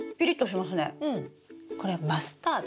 これマスタード。